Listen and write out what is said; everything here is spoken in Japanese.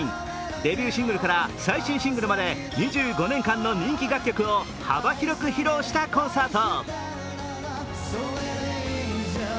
デビューシングルから最新シングルまで２５年間の人気楽曲を幅広く披露したコンサート。